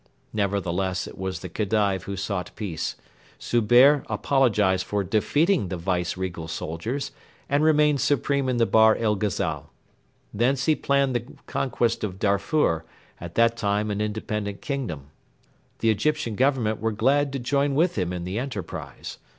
Nevertheless it was the Khedive who sought peace. Zubehr apologised for defeating the Viceregal soldiers and remained supreme in the Bahr el Ghazal. Thence he planned the conquest of Darfur, at that time an independent kingdom. The Egyptian Government were glad to join with him in the enterprise.